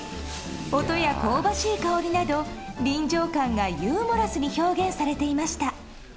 音や香ばしい香りなど臨場感がユーモラスに表現されていました。